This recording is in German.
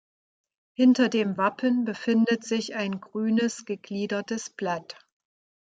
Hinter dem Wappen befindet sich ein grünes, gegliedertes Blatt.